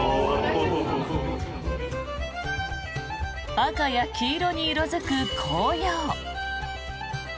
赤や黄色に色付く紅葉。